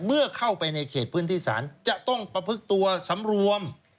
เมื่อเข้าไปในเขตพื้นที่ศาลจะต้องประพฤกตัวสำรวม